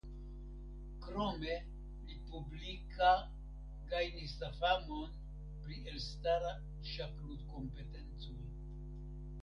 Krome li publika gajnis la famon pri elstara ŝakludkompetencoj.